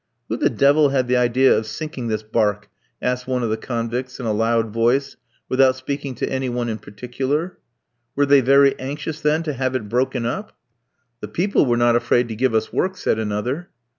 "Who the devil had the idea of sinking this barque?" asked one of the convicts in a loud voice, without speaking to any one in particular. "Were they very anxious, then, to have it broken up?" "The people were not afraid to give us work," said another.